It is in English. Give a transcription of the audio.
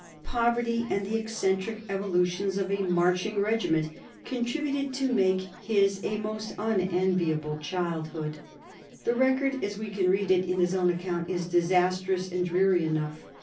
Poverty and the eccentric evolutions of a marching regiment contributed to make his a most unenviable childhood. The record, as we can read it in his own account, is disastrous and dreary enough.